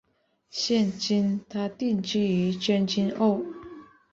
现今她定居于将军澳。